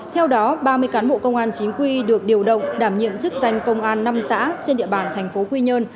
theo đó ba mươi cán bộ công an chính quy được điều động đảm nhiệm chức danh công an năm xã trên địa bàn thành phố quy nhơn